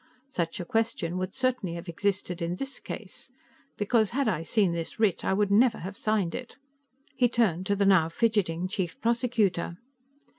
Such a question should certainly have existed in this case, because had I seen this writ I would never have signed it." He turned to the now fidgeting Chief Prosecutor.